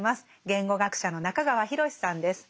言語学者の中川裕さんです。